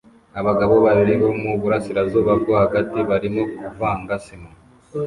Abagabo babiri bo mu burasirazuba bwo hagati barimo kuvanga sima